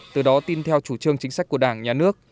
từ đó tin theo chủ trương chính sách của đảng nhà nước